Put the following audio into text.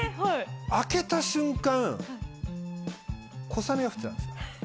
開けた瞬間、小雨が降ってたんですよ。